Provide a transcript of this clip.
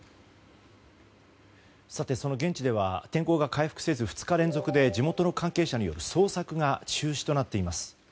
その現地では天候が回復せず、２日連続で地元の関係者による捜索が中止となっています。